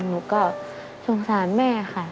หนูก็สงสารแม่ค่ะ